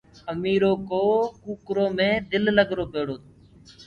اميرو ڪو ڪوڪرو مي دل لگرو پيڙو تو